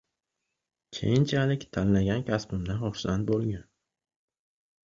Keyinchaliktanlagan kasbimdan hursand bo‘lgan.